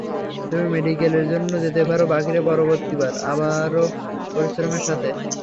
তুমি মেডিকেল এর জন্য যেতে পারো বাকিরা পরবর্তীবার, আরও পরিশ্রমের সাথে।